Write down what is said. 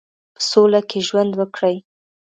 په سوله کې ژوند وکړي.